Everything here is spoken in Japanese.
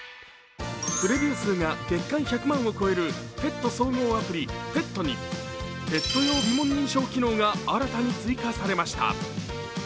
プレビュー数が月間１００万を超えるペット総合アプリＰｅｔにペット用鼻紋認証が新たに追加されました。